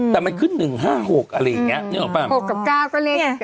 แต่มันขึ้นหนึ่งห้าหกอะไรอย่างเงี้ยนึกออกปะหกกับเก้าก็เลข